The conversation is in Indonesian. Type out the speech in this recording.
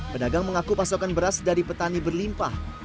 pedagang mengaku pasokan beras dari petani berlimpah